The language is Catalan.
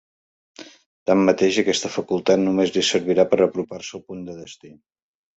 Tanmateix, aquesta facultat només li servirà per apropar-se al punt de destí.